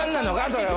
それは。